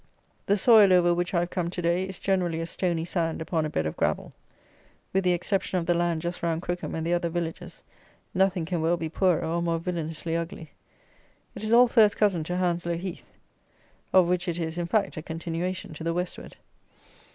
The soil over which I have come to day, is generally a stony sand upon a bed of gravel. With the exception of the land just round Crookham and the other villages, nothing can well be poorer or more villanously ugly. It is all first cousin to Hounslow Heath, of which it is, in fact, a continuation to the Westward.